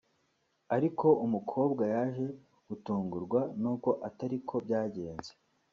ariko umukobwa yaje gutungurwa nuko atariko byagenze